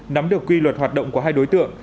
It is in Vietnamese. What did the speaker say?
nắm được quy luật hoạt động của hai đối tượng